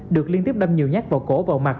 được liên tiếp đâm nhiều nhát vào cổ vào mặt